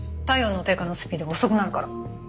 体温の低下のスピードが遅くなるから。